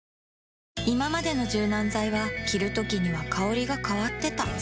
ＪＴいままでの柔軟剤は着るときには香りが変わってた